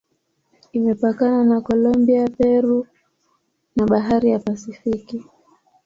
Imepakana na Kolombia, Peru na Bahari ya Pasifiki.